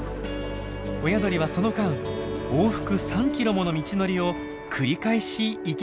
親鳥はその間往復３ｋｍもの道のりを繰り返し行き来するんです。